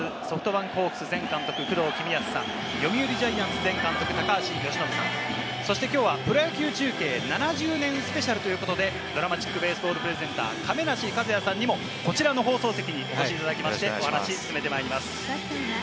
改めまして、きょうの放送の解説、ソフトバンクホークス前監督・工藤公康さん、読売ジャイアンツ前監督・高橋由伸さん、そして、きょうはプロ野球中継７０年スペシャルということで、ＤＲＡＭＡＴＩＣＢＡＳＥＢＡＬＬプレゼンター・亀梨和也さんにも、こちらの放送席にお越しいただきまして、お話を進めてまいります。